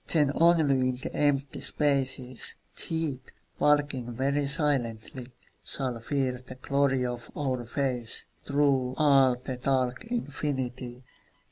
Then only in the empty spaces, Death, walking very silently, Shall fear the glory of our faces Through all the dark infinity.